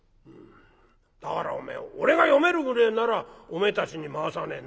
「だからおめえ俺が読めるぐれえならおめえたちに回さねえ」。